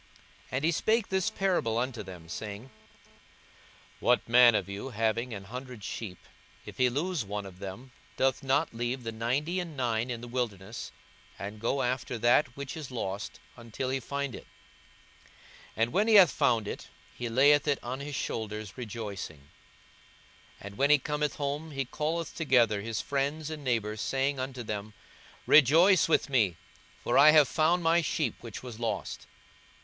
42:015:003 And he spake this parable unto them, saying, 42:015:004 What man of you, having an hundred sheep, if he lose one of them, doth not leave the ninety and nine in the wilderness, and go after that which is lost, until he find it? 42:015:005 And when he hath found it, he layeth it on his shoulders, rejoicing. 42:015:006 And when he cometh home, he calleth together his friends and neighbours, saying unto them, Rejoice with me; for I have found my sheep which was lost.